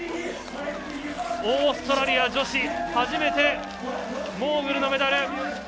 オーストラリア女子初めてモーグルのメダル。